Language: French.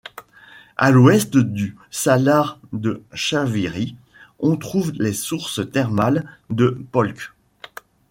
A l'ouest du Salar de Chalviri, on trouve les sources thermales de Polques.